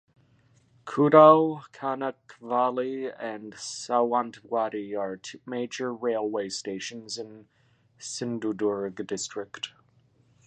Kudal, Kanakvali and Sawantwadi are major railway stations in Sindhudurg district.